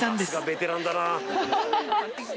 ベテランだな。